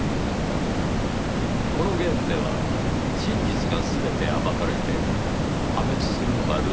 このゲームでは真実が全て暴かれて破滅するのがルールです。